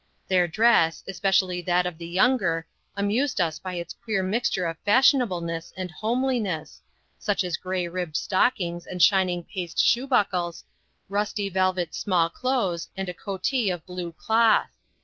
Their dress, especially that of the younger, amused us by its queer mixture of fashionableness and homeliness, such as grey ribbed stockings and shining paste shoe buckles, rusty velvet small clothes and a coatee of blue cloth.